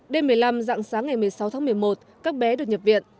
đêm một mươi năm dạng sáng ngày một mươi sáu tháng một mươi một các bé được nhập viện